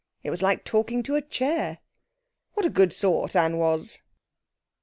It was like talking to a chair. What a good sort Anne was!